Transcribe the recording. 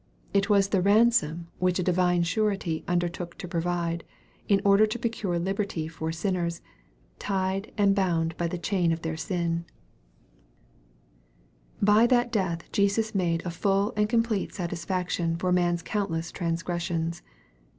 It was the ransom which a Divine Surety under took to provide, in order to procure liberty for sinners, tied and bound by the chain of their sins. By that death Jesus made a full and complete satisfaction for man's countless transgressions.